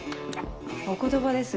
お言葉ですが。